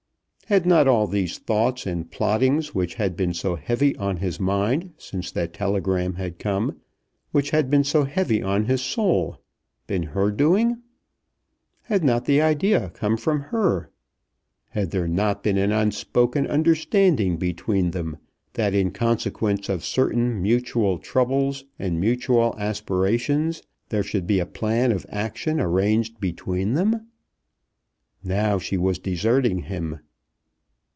Had not all these thoughts, and plottings, which had been so heavy on his mind since that telegram had come, which had been so heavy on his soul, been her doing? Had not the idea come from her? Had there not been an unspoken understanding between them that in consequence of certain mutual troubles and mutual aspirations there should be a plan of action arranged between them? Now she was deserting him!